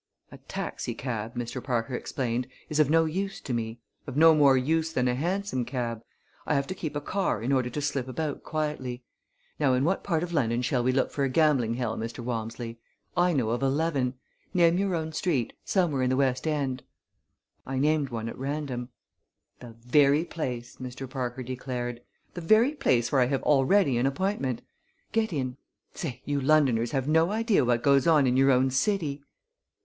"A taxicab," Mr. Parker explained, "is of no use to me of no more use than a hansom cab. I have to keep a car in order to slip about quietly. Now in what part of London shall we look for a gambling hell, Mr. Walmsley? I know of eleven. Name your own street somewhere in the West End." I named one at random. "The very place!" Mr. Parker declared; "the very place where I have already an appointment. Get in. Say, you Londoners have no idea what goes on in your own city!"